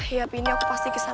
ya tapi ini aku pasti kesana tetap